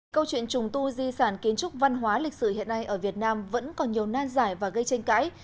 câu chuyện trùng tu di sản kiến trúc văn hóa lịch sử hiện nay ở việt nam vẫn còn nhiều nan giải và gây tranh cãi